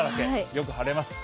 よく晴れます。